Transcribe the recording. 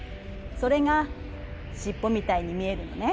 それが尻尾みたいに見えるのね。